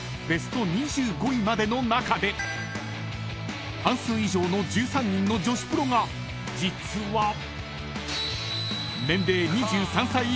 ベスト２５位までの中で半数以上の１３人の女子プロが実は］